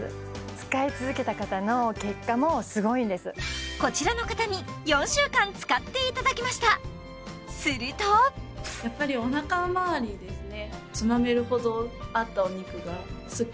使い続けた方の結果もすごいんですこちらの方に４週間使っていただきましたするとやっぱりおなか回りですね